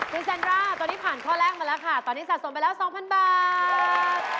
คุณแซนร่าตอนนี้ผ่านข้อแรกมาแล้วค่ะตอนนี้สะสมไปแล้ว๒๐๐บาท